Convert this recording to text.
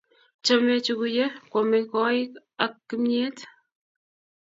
chomei chukuye koame kowoiik ak kimyet